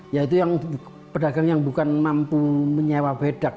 yaitu yang pedagang yang bukan mampu menyewa bedak